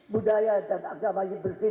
budaya dan agama ini bersih